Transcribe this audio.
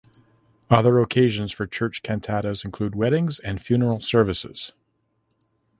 Other occasions for church cantatas include weddings and funeral services.